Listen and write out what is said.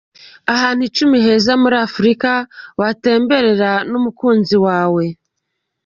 Ahantu icumi heza muri Afurika watemberera n’umukunzi wawe.